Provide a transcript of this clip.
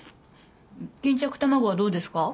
巾着たまごはどうですか？